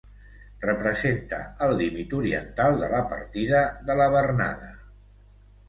Representa el límit oriental de la partida de la Bernada.